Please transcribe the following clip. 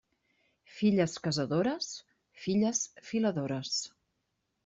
Filles casadores, filles filadores.